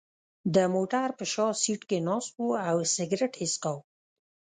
د موټر په شا سېټ کې ناست و او سګرېټ یې څکاو.